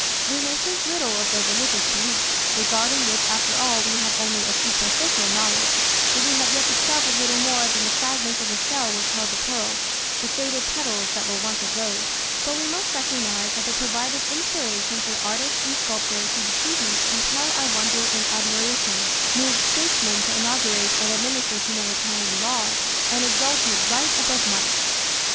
We may think little of their religious beliefs, regarding which after all we have only a superficial knowledge, for we have yet discovered little more than the fragments of the shell which held the pearl, the faded petals that were once a rose, but we must recognize that they provided inspiration for the artists and sculptors whose achievements compel our wonder and admiration, moved statesmen to inaugurate and administer humanitarian laws, and exalted Right above Might.